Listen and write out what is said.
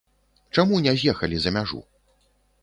Чаму не з'ехалі за мяжу?